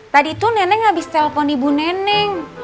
tadi tuh neneng abis telepon ibu neneng